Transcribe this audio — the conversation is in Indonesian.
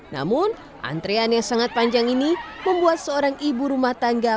namun antrean yang sangat panjang ini membuat seorang ibu rumah tangga